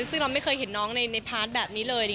ซึ่งเราไม่เคยเห็นน้องในพาร์ทแบบนี้เลย